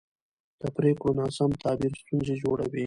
د پرېکړو ناسم تعبیر ستونزې جوړوي